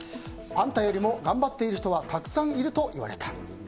あんたよりも頑張っている人はたくさんいると言われた。